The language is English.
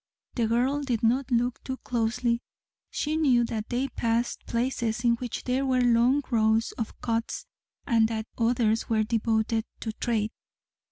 The girl did not look too closely. She knew that they passed places in which there were long rows of cots, and that others were devoted to trade.